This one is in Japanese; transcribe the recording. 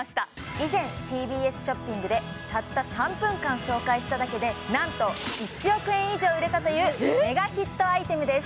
以前ＴＢＳショッピングでたった３分間紹介しただけでなんと１億円以上売れたというメガヒットアイテムです